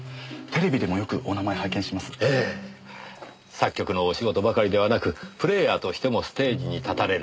作曲のお仕事ばかりではなくプレーヤーとしてもステージに立たれる。